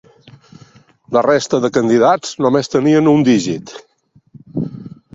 La resta de candidats només tenien un dígit.